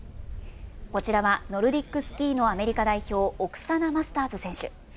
こちらはノルディックスキーのアメリカ代表、オクサナ・マスターズ選手。